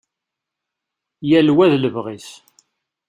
Yal wa d lebɣi-s.